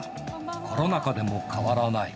コロナ禍でも変わらない。